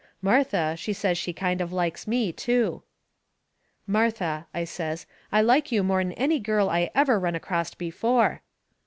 Martha, she says she kind of likes me, too. "Martha," I says, "I like you more'n any girl I ever run acrost before."